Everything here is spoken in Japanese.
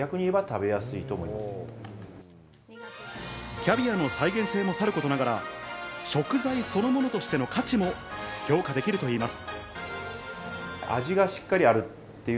キャビアの再現性もさることながら食材そのものとしての価値も評価できるといいます。